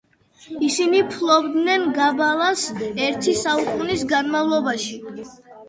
ისინი ფლობდნენ გაბალას ერთი საუკუნის განმავლობაში.